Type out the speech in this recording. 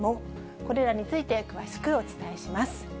これらについて詳しくお伝えします。